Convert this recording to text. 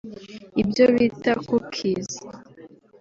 ibyo bita “cookies”